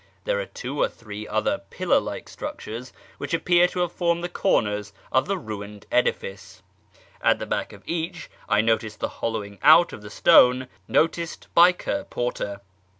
There are two or three other pillar like structures, which appear to have formed the corners of the ruined edifice. At the back of each I noticed the hoUowin^ out of the stone noticed by Ker Porter.